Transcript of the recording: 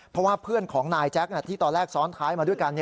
เพราะว่าเพื่อนของนายแจ๊คที่ตอนแรกซ้อนท้ายมาด้วยกัน